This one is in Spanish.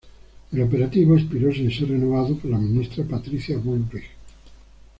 El operativo expiró sin ser renovado por la ministra Patricia Bullrich.